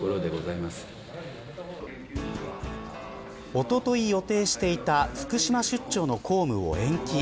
おととい予定していた福島出張の公務を延期。